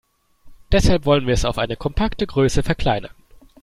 Deshalb wollen wir es auf eine kompakte Größe verkleinern.